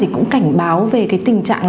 cũng cảnh báo về tình trạng